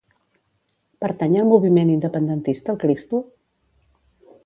Pertany al moviment independentista el Cristo?